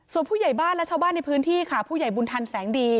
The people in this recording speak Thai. ส่วนผู้ใหญ่บ้านและชาวบ้านในพื้นที่ค่ะผู้ใหญ่บุญทันแสงดี